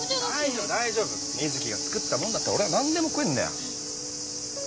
大丈夫大丈夫瑞稀が作った物だったら俺は何でも食えんだよ。